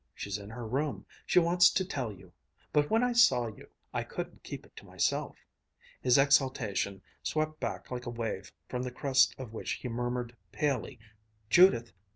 She's in her room she wants to tell you but when I saw you, I couldn't keep it to myself." His exaltation swept back like a wave, from the crest of which he murmured palely, "Judith!